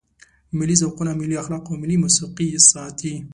ملي ذوقونه، ملي اخلاق او ملي موسیقي ساتي.